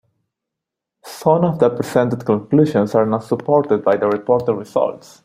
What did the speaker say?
Some of the presented conclusions are not supported by the reported results.